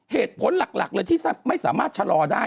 เหตุผลหลักเลยที่ไม่สามารถชะลอได้